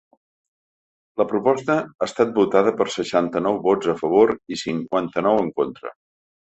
La proposta ha estat votada per seixanta-nou vots a favor i cinquanta-nou en contra.